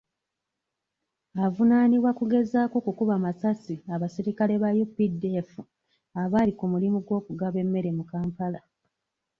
Avuunaanibwa kugezaako kukuba masasi abasirikale ba UPDF abaali ku mulimu gw'okugaba emmere mu Kampala.